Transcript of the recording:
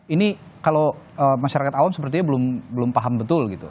ini kalau masyarakat awam sepertinya belum paham betul gitu